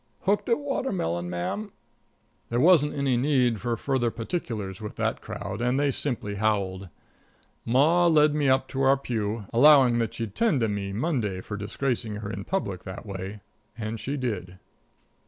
"Hooked a watermelon, mam." There wasn't any need for further particulars with that crowd, and they simply howled. Ma led me up to our pew, allowing that she'd tend to me Monday for disgracing her in public that way and she did.